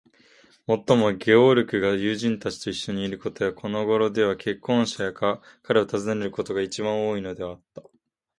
もっとも、ゲオルクが友人たちといっしょにいることや、このごろでは婚約者が彼を訪ねることが、いちばん多いのではあった。